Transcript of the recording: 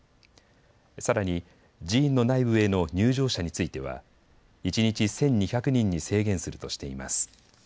さらに寺院の内部への入場者については一日１２００人に制限するとしています。